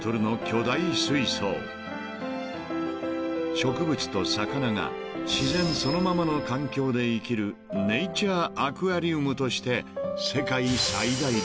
［植物と魚が自然そのままの環境で生きるネイチャーアクアリウムとして世界最大だ］